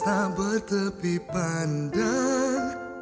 tak bertepi pandang